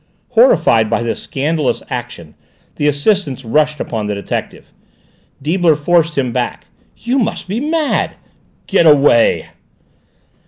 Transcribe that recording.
Horrified by this scandalous action the assistants rushed upon the detective. Deibler forced him backwards. "You must be mad!" "Get away!"